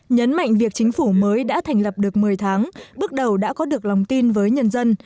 nhấn mạnh việc chính phủ mới đã thành lập được một mươi tháng bước đầu đã có được lòng tin với nhân dân